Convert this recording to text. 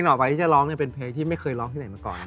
ออกไปที่จะร้องเป็นเพลงที่ไม่เคยร้องที่ไหนมาก่อน